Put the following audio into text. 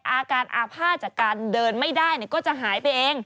อาการอาภาษณ์จากการเดินไม่ได้ก็จะหายไปเอง